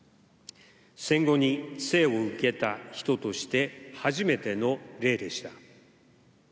戦後に生を受けた人として初めての例でした。